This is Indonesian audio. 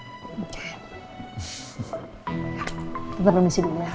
ya tante mau disini dulu ya